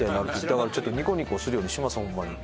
だからちょっとニコニコするようにしますホンマに。